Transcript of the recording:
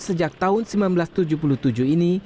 sejak tahun seribu sembilan ratus tujuh puluh tujuh ini